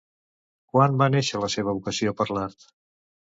Quan va néixer la seva vocació per l'art?